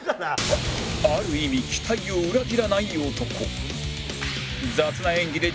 ある意味期待を裏切らない男